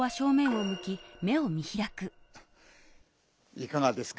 いかがですか？